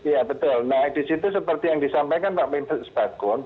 ya betul nah di situ seperti yang disampaikan pak menteri sebagun